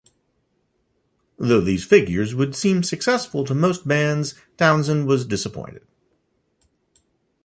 Though these figures would seem successful to most bands, Townshend was disappointed.